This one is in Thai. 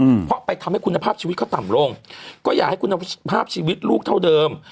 อืมเพราะไปทำให้คุณภาพชีวิตเขาต่ำลงก็อยากให้คุณภาพชีวิตลูกเท่าเดิม